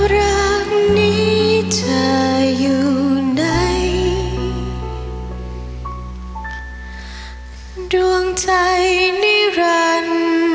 รักนี้เธออยู่ไหนดวงใจนิรันดิ์